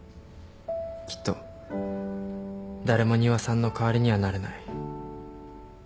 きっと誰も仁和さんの代わりにはなれない。